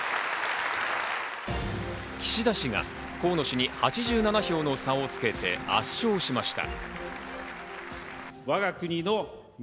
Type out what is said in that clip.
岸田氏が河野氏に８７票の差をつけて圧勝しました。